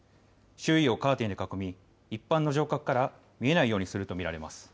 周囲をカーテンで囲み一般の乗客から見えないようにすると見られます。